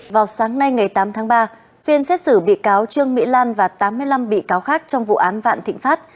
vào sáng nay ngày tám tháng ba phiên xét xử bị cáo trương mỹ lan và tám mươi năm bị cáo khác trong vụ án vạn thịnh pháp